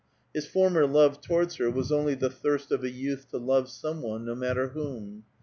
His former love towards her was only the thirst of a youth to *^ve some one, no matter whom.